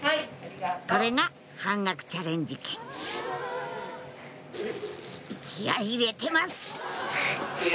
これが半額チャレンジ券気合入れてます！